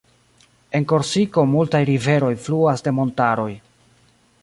En Korsiko multaj riveroj fluas de montaroj.